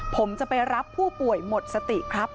ผมจะไปรับผู้ป่วยหมดสติครับ